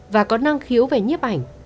và có năng khiếu về nhiếp ảnh